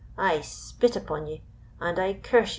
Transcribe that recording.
I spit upon ye, and I curse ye.